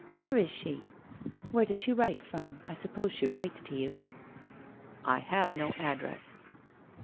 Where is she? Where does she write from ? I suppose she writes to you ?'' I have no address.'